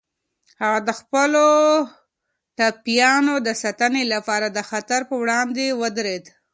هغه د خپلو ټپيانو د ساتنې لپاره د خطر په وړاندې ودرید.